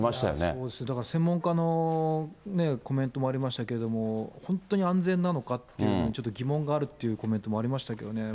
そうですね、だから専門家のコメントもありましたけれども、本当に安全なのかっていうのにちょっと疑問があるというコメントもありましたけどね。